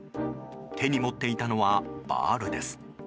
手に持っていたのはバールです。